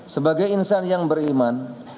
sebagai insan yang beriman